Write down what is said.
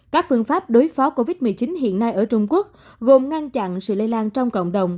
các phương pháp đối phó covid một mươi chín hiện nay ở trung quốc gồm ngăn chặn sự lây lan trong cộng đồng